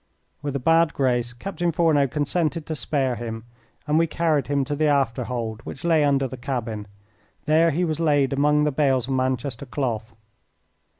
With a bad grace Captain Fourneau consented to spare him, and we carried him to the after hold, which lay under the cabin. There he was laid among the bales of Manchester cloth.